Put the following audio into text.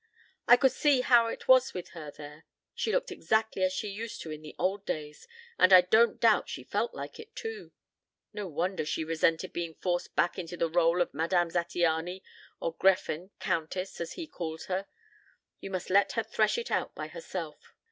I could see how it was with her here. She looked exactly as she used to in the old days, and I don't doubt felt like it, too. No wonder she resented being forced back into the rôle of Madame Zattiany, or Gräfin countess as he calls her. You must let her thresh it out by herself."